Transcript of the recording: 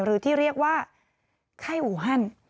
หรือที่เรียกว่าไข้อูฮัน